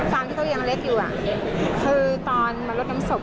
ฟังเธอยังเล็กอยู่คือตอนมารถน้ำสบ